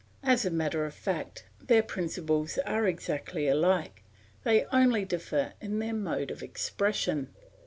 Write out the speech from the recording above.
As a matter of fact, their principles are exactly alike, they only differ in their mode of expression.